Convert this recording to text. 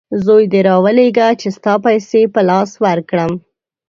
زوی دي راولېږه چې ستا پیسې په لاس ورکړم!